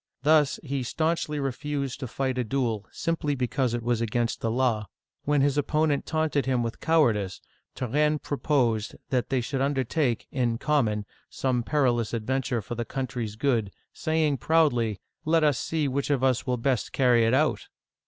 Thus, he stanchly refused to fight a duel, simply because it was against the law. When his opponent taunted him with cowardice, Turenne proposed that they should undertake, in common, some perilous ad venture for the country's good, saying proudly, " Let us see which of us will best carry it out